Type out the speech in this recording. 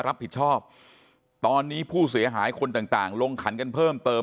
รับผิดชอบตอนนี้ผู้เสียหายคนต่างต่างลงขันกันเพิ่มเติม